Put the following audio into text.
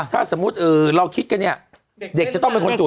ถ้าสมมุติเราคิดกันเนี่ยเด็กจะต้องเป็นคนจุ